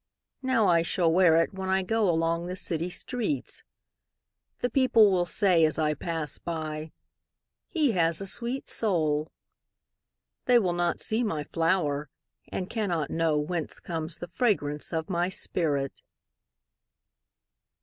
Now I shall wear itWhen I goAlong the city streets:The people will sayAs I pass by—"He has a sweet soul!"They will not see my flower, And cannot knowWhence comes the fragrance of my spirit!